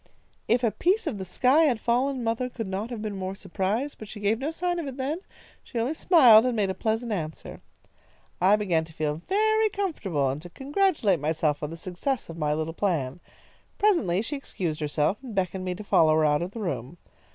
"If a piece of the sky had fallen, mother could not have been more surprised, but she gave no sign of it then. She only smiled and made a pleasant answer. "I began to feel very comfortable, and to congratulate myself on the success of my little plan. Presently she excused herself, and beckoned me to follow her out of the room.